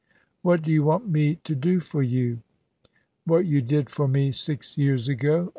"What do you want me to do for you?" "What you did for me six years ago.